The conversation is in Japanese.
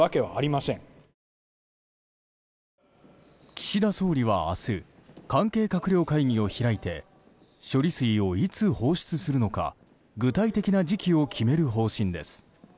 岸田総理は明日、関係閣僚会議を開いて処理水をいつ放出するのか具体的な時期を決める方針です。